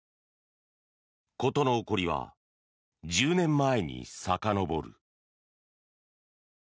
事の起こりは１０年前にさかのぼる。